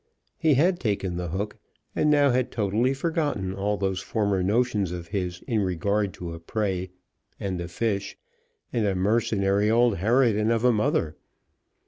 He had taken the hook, and now had totally forgotten all those former notions of his in regard to a prey, and a fish, and a mercenary old harridan of a mother.